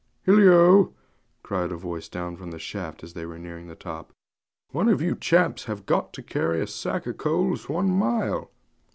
'Hillo!' cried a voice down the shaft as they were nearing the top; 'one of you chaps have got to carry a sack o' coals one mile.'